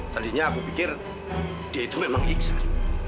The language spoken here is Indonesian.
tadinya aku pikir dia itu memang iksan